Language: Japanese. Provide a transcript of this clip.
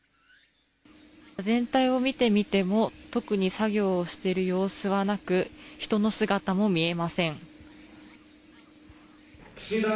全体を見てみても特に作業をしている様子はなく人の姿も見えません。